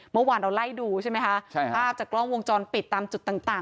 เมื่อวานเราไล่ดูใช่ไหมคะใช่ภาพจากกล้องวงจรปิดตามจุดต่างต่าง